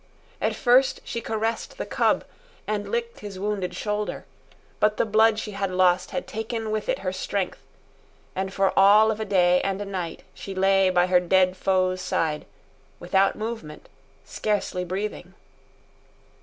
At first she caressed the cub and licked his wounded shoulder; but the blood she had lost had taken with it her strength, and for all of a day and a night she lay by her dead foe's side, without movement, scarcely breathing.